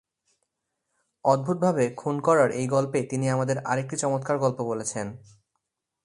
অদ্ভুতভাবে খুন করার এই গল্পে তিনি আমাদের আরেকটি চমৎকার গল্প বলেছেন।